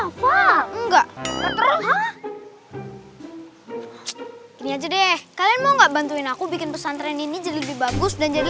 hai enggak ngejadinya jadi kalian mau nggak bantuin aku bikin pesan tren ini jadi lebih bagus dan jadi